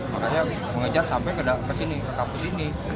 makanya mengejar sampai ke sini ke kampus ini